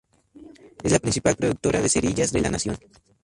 Es la principal productora de cerillas de la nación.